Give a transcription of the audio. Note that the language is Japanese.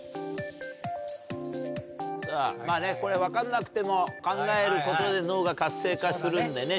さぁまぁねこれ分かんなくても考えることで脳が活性化するんでね